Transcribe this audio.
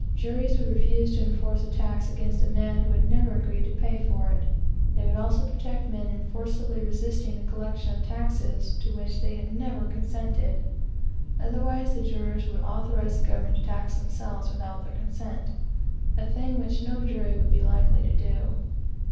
Juries would refuse to enforce a tax against a man who had never agreed to pay it. They would also protect men in forcibly resisting the collection of taxes to which they had never consented. Otherwise the jurors would authorize the government to tax themselves without their consent, a thing which no jury would be likely to do.